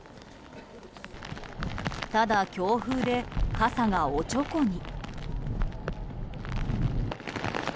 ただ、強風で傘がおちょこに。